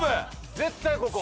絶対ここ。